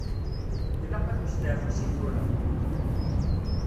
Ilaq-ak usteɛfu seg tura.